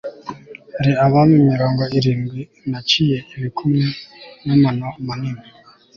hari abami mirongo irindwi naciye ibikumwe n'amano manini